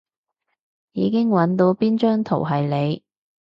已經搵到邊張圖係你